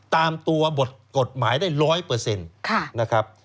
ตามตัวบทกฎหมายได้๑๐๐นะครับ